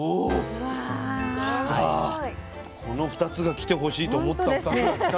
この２つが来てほしいと思った２つが来た。